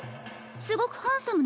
すごくハンサムなの。